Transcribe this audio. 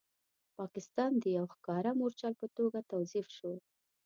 پاکستان د یو ښکاره مورچل په توګه توظیف شو.